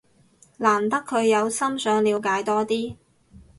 難得佢有心想了解多啲